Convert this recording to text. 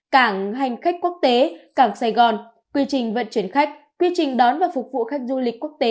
cảng hành khách quốc tế cảng sài gòn quy trình vận chuyển khách quy trình đón và phục vụ khách du lịch quốc tế